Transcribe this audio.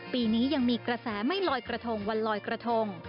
ปีนี้ยังมีกระแสไม่ลอยกระทงวันลอยกระทง